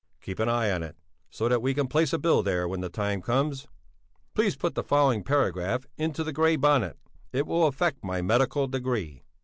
Keep an eye on it, so that we can place a bill there when the time comes. Please put the following paragraph into the Grey Bonnet; it will affect my medical degree.